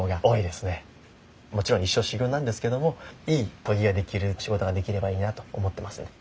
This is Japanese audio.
もちろん一生修業なんですけどもいい研ぎができる仕事ができればいいなと思ってますね。